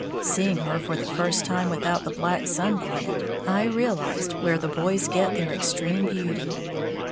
Seeing her for the first time without the black sunbonnet, I realized where the boys get their extreme beauty.